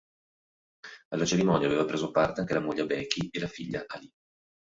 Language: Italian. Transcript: Alla cerimonia hanno preso parte anche la moglie Becky e la figlia Ali.